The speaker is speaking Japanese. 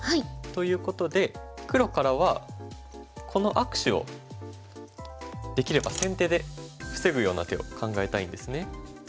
ということで黒からはこの握手をできれば先手で防ぐような手を考えたいんですね。